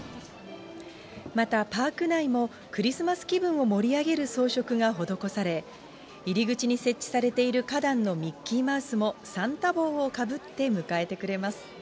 また、パーク内もクリスマス気分を盛り上げる装飾が施され、入り口に設置されている、花壇のミッキーマウスもサンタ帽をかぶって迎えてくれます。